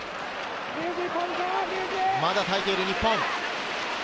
まだ耐えている日本。